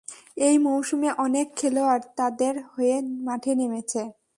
এই মৌসুমে অনেক খেলোয়াড় তাদের হয়ে মাঠে নেমেছে।